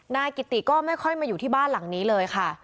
นายกิติก็ไม่ค่อยมาอยู่ที่บ้านหลังนี้เลยค่ะ